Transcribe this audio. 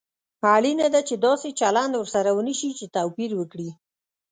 اړینه ده چې داسې چلند ورسره ونشي چې توپير وکړي.